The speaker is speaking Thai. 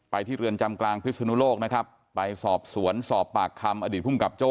ที่เรือนจำกลางพิศนุโลกนะครับไปสอบสวนสอบปากคำอดีตภูมิกับโจ้